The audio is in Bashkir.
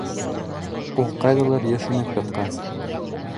Ул ҡайҙалыр йәшенеп ятҡан!